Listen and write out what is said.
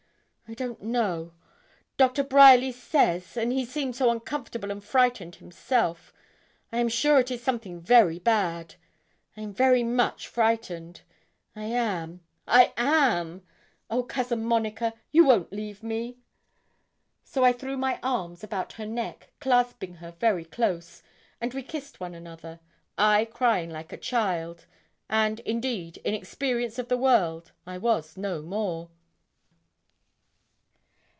I don't know Doctor Bryerly says, and he seems so uncomfortable and frightened himself, I am sure it is something very bad. I am very much frightened I am I am. Oh, Cousin Monica! you won't leave me?' So I threw my arms about her neck, clasping her very close, and we kissed one another, I crying like a frightened child and indeed in experience of the world I was no more.